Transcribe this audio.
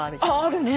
あるね。